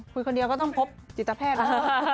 คุยคนเดียวก็ต้องพบจิตแพทย์นะฮะ